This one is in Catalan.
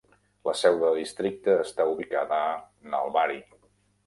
La seu de districte està ubicada a Nalbari.